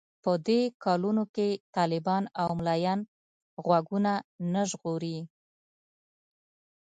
په دې کلونو کې طالبان او ملايان غوږونه نه ژغوري.